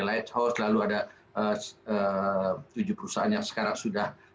lighthouse lalu ada tujuh perusahaan yang sekarang sudah